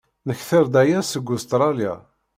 Nekter-d aya seg Ustṛalya.